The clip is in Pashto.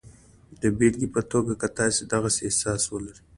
د بېلګې په توګه که تاسې د غسې احساس ولرئ